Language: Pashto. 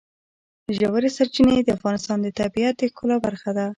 ژورې سرچینې د افغانستان د طبیعت د ښکلا برخه ده.